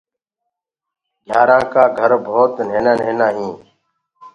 گھيآرآنٚ ڪآ گھر ڀوت نهينآ نهينآ هينٚ۔